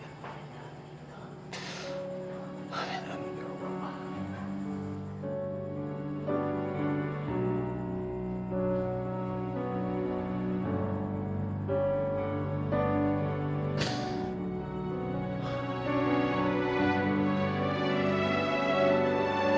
amin amin ya allah